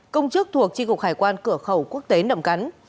công chức thuộc tri cục hải quan cửa khẩu quốc tế nậm cắn